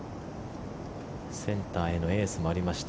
センターへのエースもありました。